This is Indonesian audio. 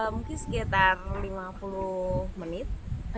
mungkin sekitar lima puluh menit